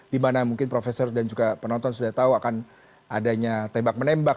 dimana mungkin profesor dan juga penonton sudah tahu akan adanya tembak menembak